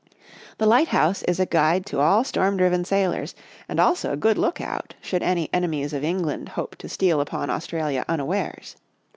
" The lighthouse is a guide to all storm driven sailors, and also a good lookout, should any enemies of England hope to steal upon Australia unawares.